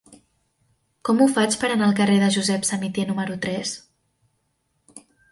Com ho faig per anar al carrer de Josep Samitier número tres?